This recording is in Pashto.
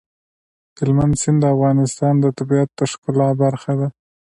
هلمند سیند د افغانستان د طبیعت د ښکلا برخه ده.